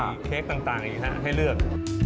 มีเค้กต่างอีกฮะให้เลือก